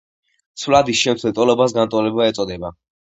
ცვლადის შემცველ ტოლობას განტოლება ეწოდება.